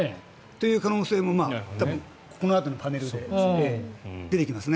という可能性もこのあとのパネルで出てきますね。